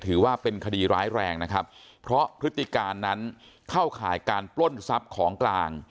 ถือว่าเป็นคดีร้ายแรงนะครับเพราะพฤติการนั้นเข้าข่ายการปล้นทรัพย์ของกลาง